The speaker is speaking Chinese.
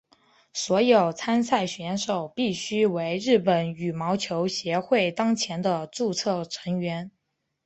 所有参赛选手必须为日本羽毛球协会当前的注册会员。